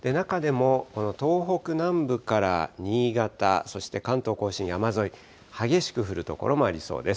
中でもこの東北南部から新潟、そして関東甲信の山沿い、激しく降る所もありそうです。